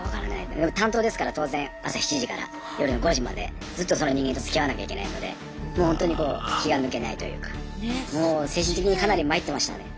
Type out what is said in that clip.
でも担当ですから当然朝７時から夜の５時までずっとその人間とつきあわなきゃいけないのでもうほんとにこう気が抜けないというかもう精神的にかなり参ってましたね。